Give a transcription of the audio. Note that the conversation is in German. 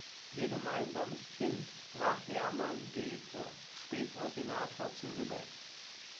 Ihr gemeinsames Kind war Hermann Deecke, später Senator zu Lübeck.